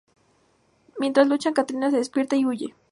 Mientras luchan, Katrina se despierta y huye.